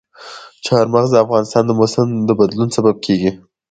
چار مغز د افغانستان د موسم د بدلون سبب کېږي.